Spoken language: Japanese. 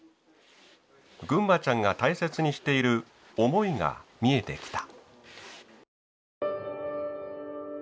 ぐんまちゃんが大切にしている思いが見えてきた。